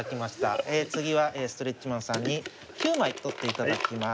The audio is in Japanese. ええ次はストレッチマンさんに９枚取っていただきます。